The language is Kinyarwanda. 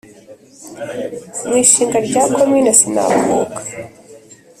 mu ishinga rya komine sinakuka